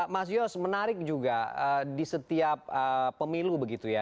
mas yos menarik juga di setiap pemilu begitu ya